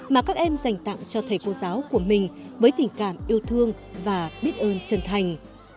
mà các em dành tặng cho thầy cô giáo của mình với tình cảm yêu thương và biết ơn trần thành